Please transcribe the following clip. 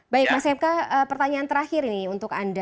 baik mas mk pertanyaan terakhir ini untuk anda